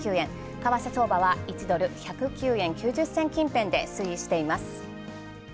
為替相場は、１ドル１５０９０銭近辺で推移しています。